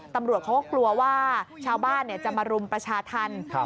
ตำรวจเขาก็กลัวว่าชาวบ้านจะมารุมประชาธรรม